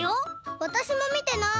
わたしもみてない。